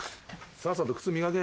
さっさと磨け。